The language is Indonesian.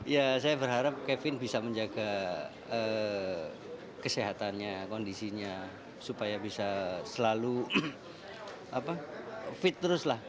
ya saya berharap kevin bisa menjaga kesehatannya kondisinya supaya bisa selalu fit terus lah